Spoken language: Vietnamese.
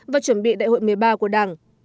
và chuẩn bị đại hội một mươi ba của đảng